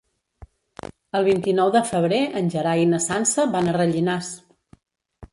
El vint-i-nou de febrer en Gerai i na Sança van a Rellinars.